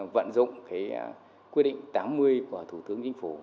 vận dụng quy định tám mươi của thủ tướng chính phủ